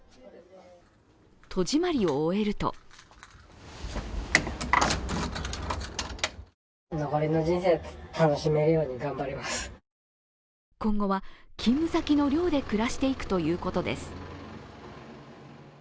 戸締りを終えると今後は、勤務先の寮で暮らしていくということです。